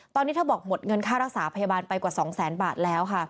ตอนนี้ถ้าบอกหมดเงินค่ารักษาพยาบาลไปกว่า๒๐๐๐๐๐บาทแล้ว